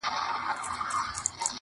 -هغه دي اوس له ارمانونو سره لوبي کوي-